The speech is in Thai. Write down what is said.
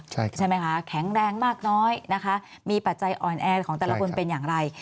ใช่ไหมคะแข็งแรงมากน้อยนะคะมีปัจจัยอ่อนแอของแต่ละคนเป็นอย่างไร